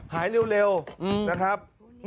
หายเร็วนะครับ